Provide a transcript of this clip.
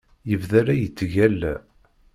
Yebda la yettgalla.